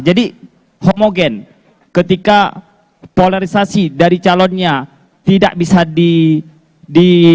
jadi homogen ketika polarisasi dari calonnya tidak bisa di